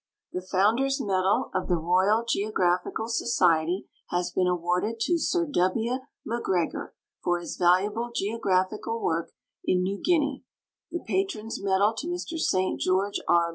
The Founders' medal of the Royal Geographical Society has been awarded to Sir W. Macgregor for his valuable geograi)hical work in New Guinea; the Patrons' me<lal to Mr St. George R.